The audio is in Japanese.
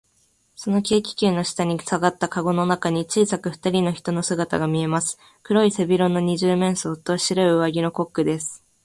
その軽気球の下にさがったかごの中に、小さくふたりの人の姿がみえます。黒い背広の二十面相と、白い上着のコックです。